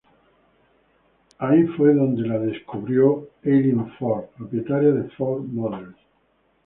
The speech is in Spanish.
Ahí fue cuando fue descubierta por Eileen Ford, propietaria de Ford Models.